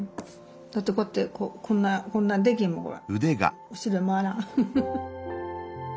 だってこうやってこんなこんなできんもんほら。